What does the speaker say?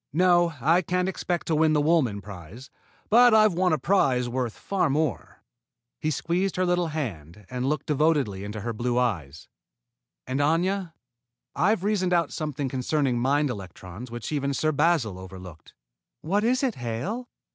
No, I can't expect to win the Woolman prize, but I've won a prize worth far more." He squeezed her little hand and looked devotedly into her blue eyes. "And, Aña, I've reasoned out something concerning mind electrons which even Sir Basil overlooked." "What is it, Hale?"